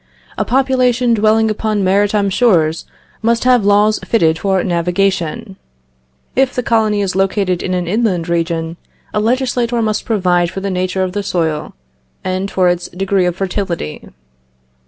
A population dwelling upon maritime shores must have laws fitted for navigation.... If the colony is located in an inland region, a legislator must provide for the nature of the soil, and for its degree of fertility....